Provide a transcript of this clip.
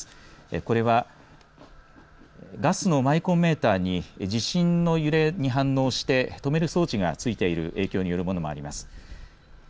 これはガスのマイコンメーターに地震の揺れに反応して止める装置がついている影響によるものもあります。